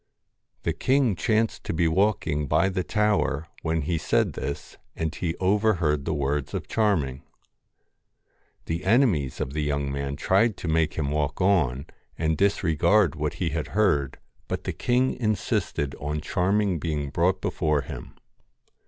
The king chanced to be walking by the tower when he said this, and he overheard the words of Charming. The enemies of the young man tried to make him walk on, and disregard what he had heard, but the king insisted on Charming being brought before him.